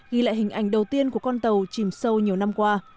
ghi lại hình ảnh đầu tiên của con tàu chìm sâu nhiều năm qua